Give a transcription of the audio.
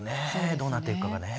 どうなっていくかが。